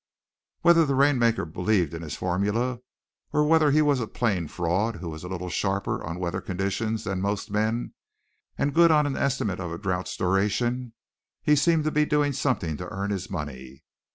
Whether the rainmaker believed in his formula, or whether he was a plain fraud who was a little sharper on weather conditions than most men, and good on an estimate of a drouth's duration, he seemed to be doing something to earn his money.